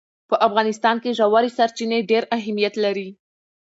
په افغانستان کې ژورې سرچینې ډېر اهمیت لري.